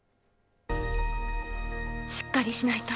しっかりしないと。